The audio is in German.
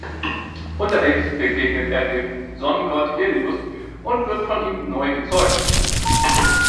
Unterwegs begegnet er dem Sonnengott Helios und wird von ihm „neu gezeugt“.